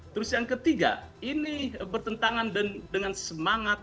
terus yang ketiga ini bertentangan dengan semangat